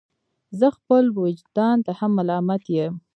زه خپل ویجدان ته هم ملامت یم.